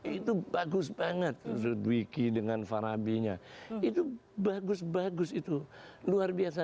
itu bagus banget dwiqi dengan farabinya itu bagus bagus itu luar biasa